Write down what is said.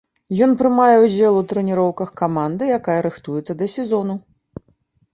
Ён прымае ўдзел у трэніроўках каманды, якая рыхтуецца да сезону.